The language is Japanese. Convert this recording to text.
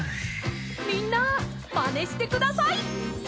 みんなまねしてください！